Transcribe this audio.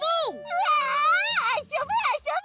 うわあそぶあそぶ！